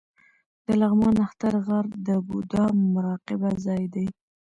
د لغمان نښتر غار د بودا مراقبه ځای دی